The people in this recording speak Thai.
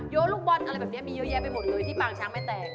ยอะลูกบอตมีเยอะแยะไปหมดเลยที่ป่าวงช้างแม่แตง